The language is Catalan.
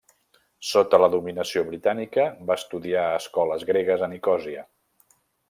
Sota la dominació britànica, va estudiar a escoles gregues a Nicòsia.